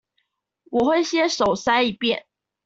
我會先手篩一遍